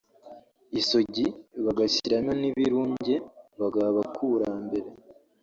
isogi bagashyiramo n’ibirunge bagaha abakurambere"